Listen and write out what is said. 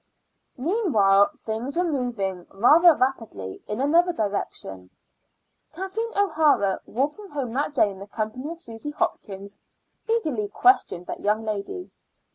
Meanwhile things were moving rather rapidly in another direction. Kathleen O'Hara, walking home that day in the company of Susy Hopkins, eagerly questioned that young lady.